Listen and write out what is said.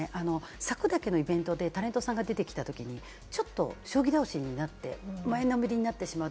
柵だけのイベントでタレントさんが出てきたときに、将棋倒しになって、前のめりになってしまう。